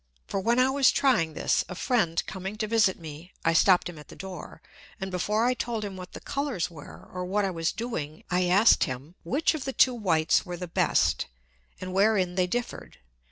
For when I was trying this, a Friend coming to visit me, I stopp'd him at the Door, and before I told him what the Colours were, or what I was doing; I asked him, Which of the two Whites were the best, and wherein they differed?